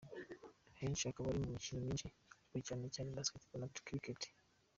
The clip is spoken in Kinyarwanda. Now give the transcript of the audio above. Kenshi yabaga ari mu mikino myinshi ariko cyane cyane basketball na cricket.”